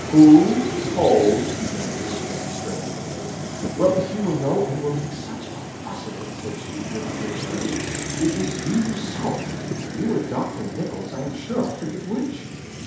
"Who told ?" began he again, sterner than ever. "Well, if you will know, and will make such a fuss about it," said she, driven to extremity, "it was you yourself you or Dr. Nicholls, I am sure I forget which."